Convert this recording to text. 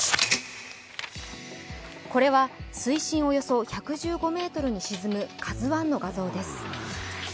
これは水深およそ１１５ｍに沈む「ＫＡＺＵⅠ」の画像です。